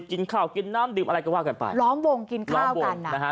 กินข้าวกินน้ำดื่มอะไรก็ว่ากันไปล้อมวงกินข้าวล้อมวงนะฮะ